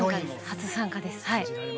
初参加ですはい。